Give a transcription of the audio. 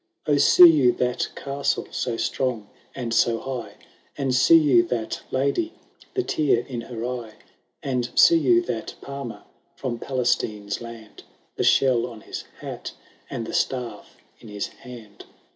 O see you that castle, so strong and so high ? And see you that lady, the tear in her eye ? And see you that palmer, from Palestine's land, The shell on his hat, and the staff in his hand